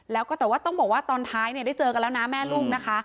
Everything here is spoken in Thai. แล้วก็แต่ว่าต้องบอกว่าตอนท้ายได้เจอกันแล้วนะแม่ลูกนะคะ